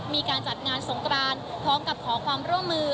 มีการจัดงานสงกรานพร้อมกับขอความร่วมมือ